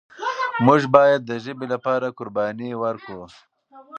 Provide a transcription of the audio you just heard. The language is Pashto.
موږ باید د دې ژبې لپاره قرباني ورکړو.